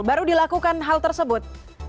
baru dilakukan hal tersebut